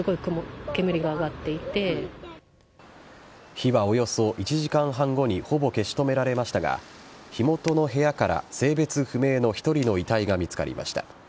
火はおよそ１時間半後にほぼ消し止められましたが火元の部屋から性別不明の１人の遺体が見つかりました。